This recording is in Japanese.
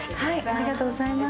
ありがとうございます。